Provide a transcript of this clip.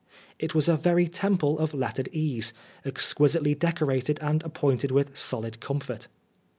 It was a very temple of lettered ease, exquisitely decorated and appointed with solid comfort.